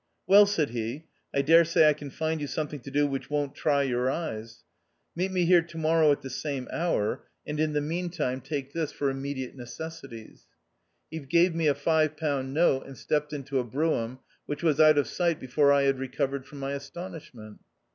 " Well," said he, " I dare say I can find you something to do which won't try your eyes. Meet we here to morrow at the same hour, and in the meantime take this for THE OUTCAST. 209 immediate necessities." He gave me a five pound note and stepped into a brougham, which was out of sight before I had re covered from my astonishment.